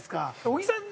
小木さん